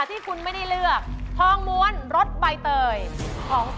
ที่คุณไม่ได้เลือก